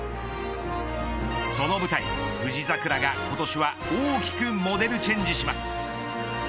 その舞台、富士桜が今年は大きくモデルチェンジします。